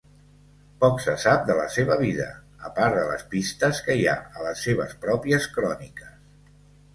Poc se sap de la seva vida, a part de les pistes que hi ha a les seves pròpies cròniques.